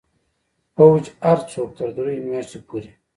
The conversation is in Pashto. پوځ هر څوک تر دریو میاشتو پورې